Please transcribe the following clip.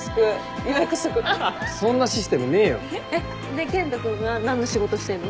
で健人君は何の仕事してんの？